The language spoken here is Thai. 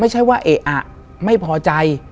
ไม่ใช่ว่าเอ๊ะอ่ะไม่พอใจ